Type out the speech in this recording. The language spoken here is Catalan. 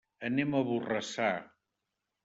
Anem a Borrassà.